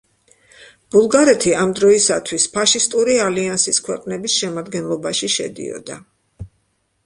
ბულგარეთი ამ დროისათვის ფაშისტური ალიანსის ქვეყნების შემადგენლობაში შედიოდა.